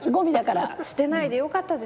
捨てないでよかったですね。